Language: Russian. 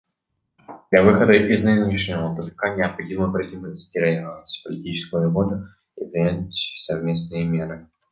Для выхода из нынешнего тупика необходимо продемонстрировать политическую волю и принять совместные меры.